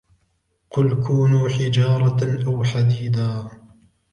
قل كونوا حجارة أو حديدا